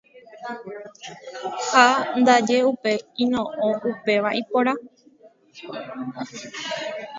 Ha ndaje upe yno'õ upéva ipóra.